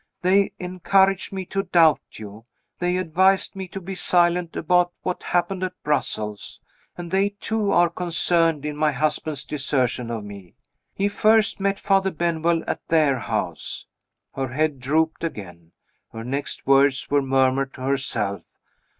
They encouraged me to doubt you. They advised me to be silent about what happened at Brussels. And they too are concerned in my husband's desertion of me. He first met Father Benwell at their house." Her head drooped again; her next words were murmured to herself.